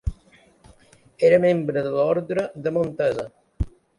Era membre de l'Orde de Montesa.